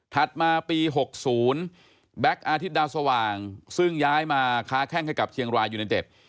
มาปี๖๐แบ็คอาทิตย์ดาวสว่างซึ่งย้ายมาค้าแข้งให้กับเชียงรายยูเนเต็ด